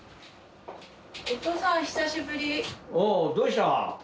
おおどうした？